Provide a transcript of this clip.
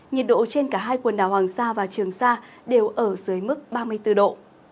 nhiệt độ trên cả hai quần đảo hoàng sa và trường sa đều ở dưới mức ba mươi bốn độ